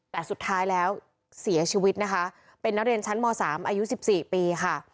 แต่สุดท้ายแล้วเสียชีวิตนะคะเป็นนักเรียนชั้นม๓อายุ๑๔ปีค่ะ